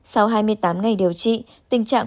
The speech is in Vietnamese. sau hai mươi tám ngày điều trị tình trạng